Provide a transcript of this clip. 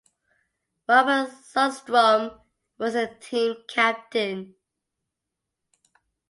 Warren Sundstrom was the team captain.